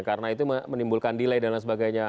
karena itu menimbulkan delay dan sebagainya